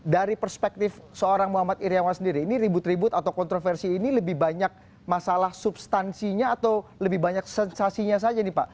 dari perspektif seorang muhammad iryawan sendiri ini ribut ribut atau kontroversi ini lebih banyak masalah substansinya atau lebih banyak sensasinya saja nih pak